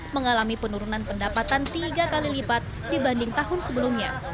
mengalami penurunan pendapatan tiga kali lipat dibanding tahun sebelumnya